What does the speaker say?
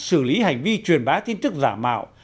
xử lý hành vi truyền bá tin tức giả mạo